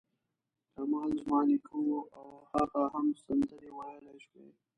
کمال زما نیکه و او هغه هم سندرې ویلای شوې.